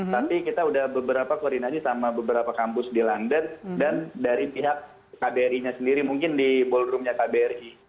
tapi kita sudah beberapa koordinasi sama beberapa kampus di london dan dari pihak kbri nya sendiri mungkin di ballroomnya kbri